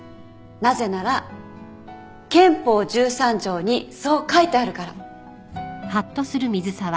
なぜなら憲法１３条にそう書いてあるから。